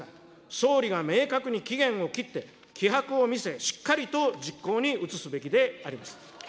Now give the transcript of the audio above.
総理が明確に期限を切って、気迫を見せ、しっかりと実行に移すべきであります。